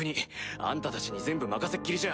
あんたたちに全部任せっきりじゃ